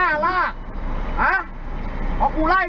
อ๋อไม่มีอะไร